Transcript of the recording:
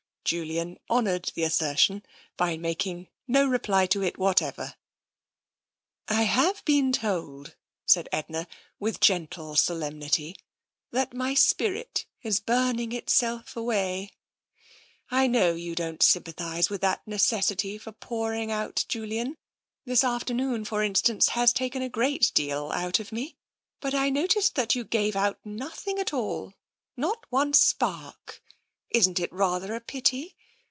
Julian honoured the assertion by making no reply to it whatever. \" I have been told," said Edna, with gentle solem nity, " that my spirit is burning itself away. I know you don't sympathise with that necessity for pouring out, Julian — this afternoon, for instance, has taken a great deal out of me — but I noticed that you gave out nothing at all — not one spark. Isn't it rather a pity